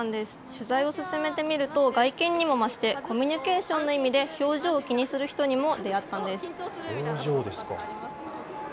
取材を進めてみると外見にも増してコミュニケーションの意味で表情気にする人にも出会ったんです。